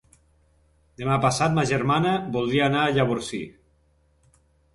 Demà passat ma germana voldria anar a Llavorsí.